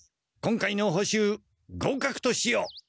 今回の補習合格としよう。